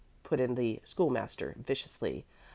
put in the School master, viciously.